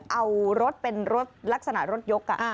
เอารถเป็นรถลักษณะรถยก